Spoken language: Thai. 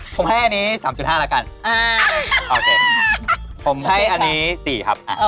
ผมให้อันนี้๓๕แล้วกันโอเคผมให้อันนี้๔ครับ